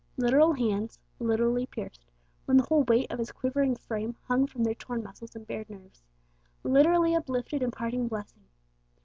Literal hands; literally pierced, when the whole weight of His quivering frame hung from their torn muscles and bared nerves; literally uplifted in parting blessing.